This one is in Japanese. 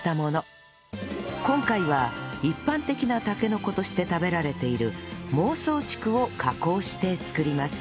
今回は一般的なたけのことして食べられている孟宗竹を加工して作ります